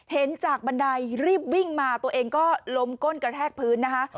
เห็นจากบันไดรีบวิ่งมาตัวเองก็ล้มก้นกระแทกพื้นนะคะ